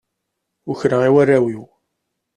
Ukreɣ i warraw-iw.